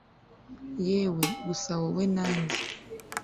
yewe gusa wowe na njye